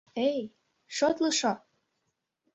Эй, шотлышо!